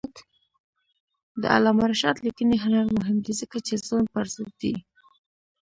د علامه رشاد لیکنی هنر مهم دی ځکه چې ظلم پر ضد دی.